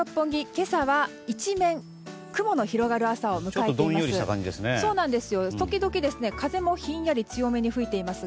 今朝は一面雲の広がる朝を迎えています。